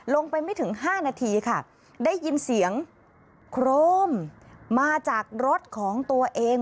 ไม่ถึง๕นาทีค่ะได้ยินเสียงโครมมาจากรถของตัวเอง